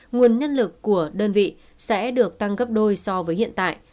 nguồn nhân lực của đơn vị sẽ được tăng gấp đôi so với hiện tại